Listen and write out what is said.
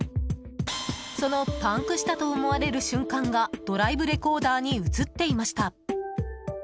そのパンクしたと思われる瞬間がドライブレコーダーに映っていました。